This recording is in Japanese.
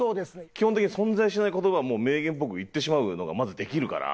基本的に存在しない言葉を名言っぽく言ってしまうのがまずできるから。